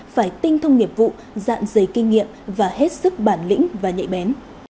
phải tinh thông nghiệp vụ dạng dày kinh nghiệm và hết sức bản lĩnh và nhạy bén